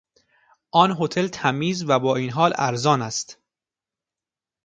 آن هتل تمیز و با این حال ارزان است.